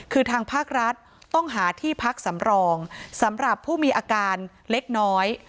คือทางภาครัฐต้องหาที่พักสำรองสำหรับผู้มีอาการเล็กน้อย